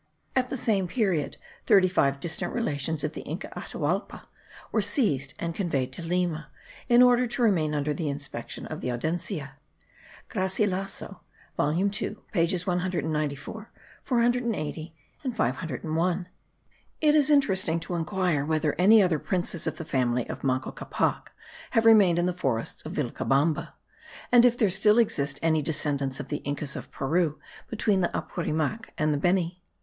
At the same period, thirty five distant relations of the Inca Atahualpa were seized, and conveyed to Lima, in order to remain under the inspection of the Audiencia. (Garcilasso volume 2 pages 194, 480 and 501.) It is interesting to inquire whether any other princes of the family of Manco Capac have remained in the forests of Vilcabamba, and if there still exist any descendants of the Incas of Peru between the Apurimac and the Beni.